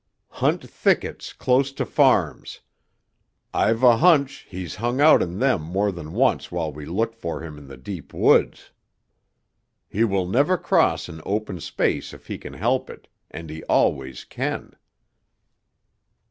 Hunt thickets close to farms. I've a hunch he's hung out in them more than once while we looked for him in the deep woods. He will never cross an open space if he can help it, and he always can.